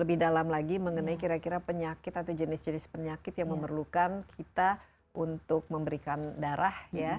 jadi kita harus mengenai kira kira penyakit atau jenis jenis penyakit yang memerlukan kita untuk memberikan darah ya